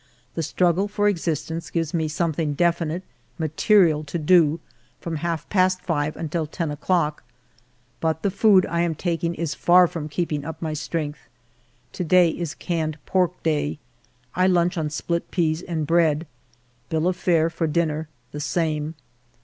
The struggle for existence gives me something defi nite, material, to do from half past five until ten o'clock. But the food I am taking is far from keeping up my strength. To day is canned pork day. I lunched on split peas and bread. Bill of fare for dinner : the same.